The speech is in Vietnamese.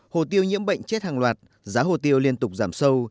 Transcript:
hồ tiêu nhiễm bệnh chết hàng loạt giá hồ tiêu liên tục giảm sâu